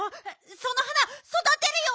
その花そだてるよ！